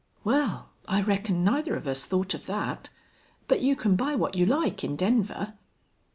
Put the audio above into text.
"Wal, I reckon neither of us thought of thet. But you can buy what you like in Denver."